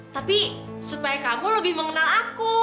tapi supaya kamu lebih mengenal aku